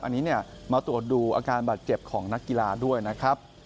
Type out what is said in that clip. อันนี้มาตรวจดูอาการบาดเจ็บของนักกีฬาด้วยนะครับ